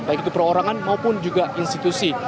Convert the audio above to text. baik itu perorangan maupun juga institusi